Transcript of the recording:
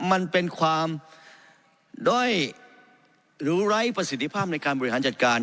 มันเป็นความด้อยหรือไร้ประสิทธิภาพในการบริหารจัดการ